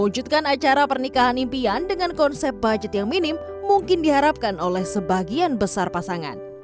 wujudkan acara pernikahan impian dengan konsep budget yang minim mungkin diharapkan oleh sebagian besar pasangan